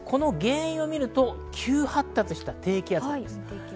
この原因を見ると、急発達した低気圧です。